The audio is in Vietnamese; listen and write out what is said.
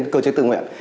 cơ chế tư nguyện